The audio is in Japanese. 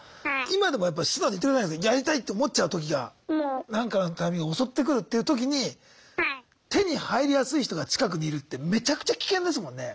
今でも素直に言ってくれたじゃないすかやりたいって思っちゃう時がなんかのタイミングで襲ってくるっていう時に手に入りやすい人が近くにいるってめちゃくちゃ危険ですもんね。